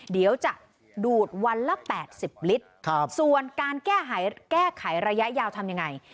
เดี๋ยวจะดูดวันละ๘๐ลิตรส่วนการแก้ไขแก้ไขระยะยาวทำยังไง